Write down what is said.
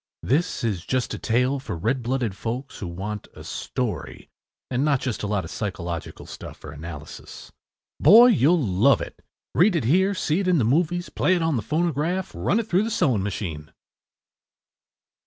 ” This is just a tale for red blooded folks who want a story and not just a lot of “psychological” stuff or “analysis.” Boy, you’ll love it! Read it here, see it in the movies, play it on the phonograph, run it through the sewing machine.